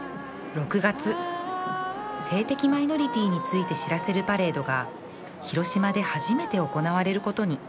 ６月性的マイノリティーについて知らせるパレードが広島で初めて行われることに